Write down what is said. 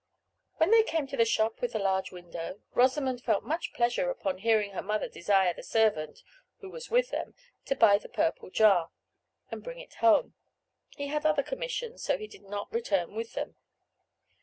When they came to the shop with the large window, Rosamond felt much pleasure upon hearing her mother desire the servant, who was with them, to buy the purple jar, and bring it home. He had other commissions, so he did not return with them.